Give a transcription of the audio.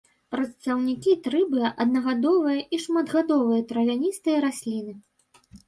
Прадстаўнікі трыбы аднагадовыя і шматгадовыя травяністыя расліны.